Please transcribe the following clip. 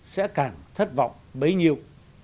sẽ càng thất vọng bấy nhiêu